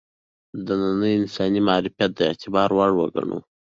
د ننني انسان معرفت د اعتبار وړ وګڼو.